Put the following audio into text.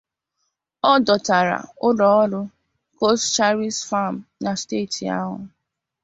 ọ dọtara ụlọọrụ 'Coscharis Farm' na steeti ahụ